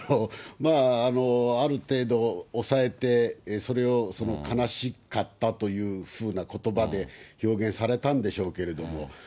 ある程度、抑えて、それを悲しかったというふうなことばで表明されたんでしょうけれども。